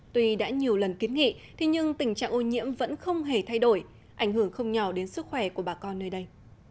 tuy đã nhiều lần kiến nghị nhưng tình trạng ô nhiễm vẫn không hề thay đổi ảnh hưởng không nhỏ đến sức khỏe của bà con nơi đây